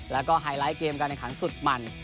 แล้วก็ไฮไลท์เกมกันในขังสุดมัน